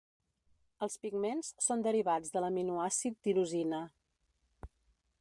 Els pigments són derivats de l'aminoàcid tirosina.